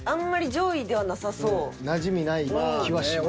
確かになじみない気はします。